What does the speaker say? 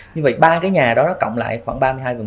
như vậy ba cái nhà đó cộng lại khoảng ba mươi hai